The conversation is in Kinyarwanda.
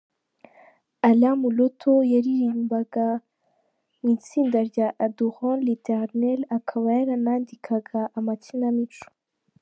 Alain Moloto yaririmbiraga mu itsinda rya Adorons l’eternel, akaba yaranandikaga amakinamico.